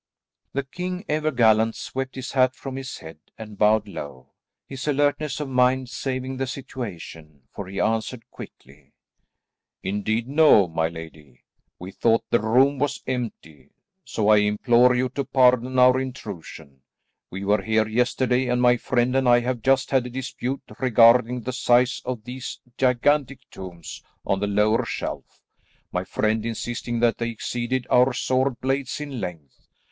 The king, ever gallant, swept his hat from his head and bowed low, his alertness of mind saving the situation, for he answered quickly, "Indeed no, my lady. We thought the room was empty, so I implore you to pardon our intrusion. We were here yesterday, and my friend and I have just had a dispute regarding the size of these gigantic tomes on the lower shelf; my friend insisting that they exceeded our sword blades in length.